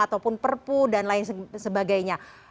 ataupun perpu dan lain sebagainya